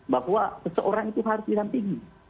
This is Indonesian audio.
bahwa seseorang itu harus didampingi